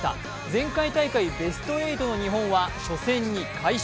前回大会ベスト８の日本、初戦に快勝。